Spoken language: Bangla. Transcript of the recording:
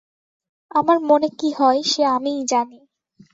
আমার মনে কী হয় সে আমিই জানি।